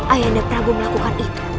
ayah anda prabu melakukan itu